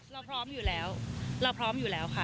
เราพร้อมอยู่แล้วเราพร้อมอยู่แล้วค่ะ